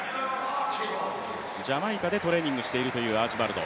ジャマイカでトレーニングしているというアーチバルド。